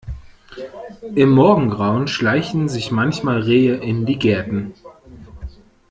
Im Morgengrauen schleichen sich manchmal Rehe in die Gärten.